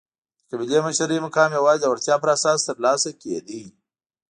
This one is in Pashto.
د قبیلې مشرۍ مقام یوازې د وړتیا پر اساس ترلاسه کېده.